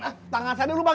ah tangan saya dulu bang